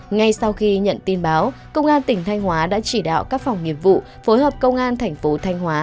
ngay sau khi nhận tin báo công an tỉnh thanh hóa đã chỉ đạo các phòng nghiệp vụ phối hợp công an thành phố thanh hóa